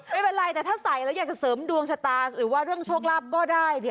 ไม่เป็นไรแต่ถ้าใส่แล้วอยากจะเสริมดวงชะตาหรือว่าเรื่องโชคลาภก็ได้